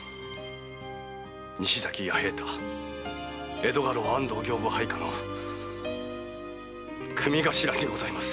江戸家老・安藤刑部配下の組頭にございます。